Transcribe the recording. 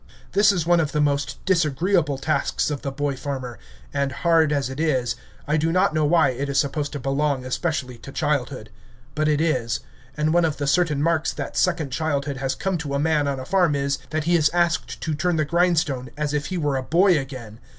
This is one of the most disagreeable tasks of the boy farmer, and, hard as it is, I do, not know why it is supposed to belong especially to childhood. But it is, and one of the certain marks that second childhood has come to a man on a farm is, that he is asked to turn the grindstone as if he were a boy again.